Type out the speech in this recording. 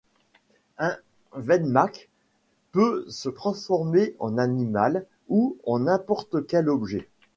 Un vedmak peut se transformer en animal, ou en n'importe quel objet.